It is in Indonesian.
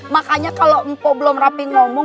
makanya kalau mpo belum rapi ngomong